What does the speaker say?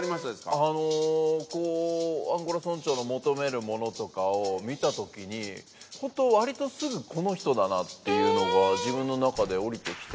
あのこうアンゴラ村長の求めるものとかを見た時に本当割とすぐこの人だなっていうのが自分の中で降りてきて。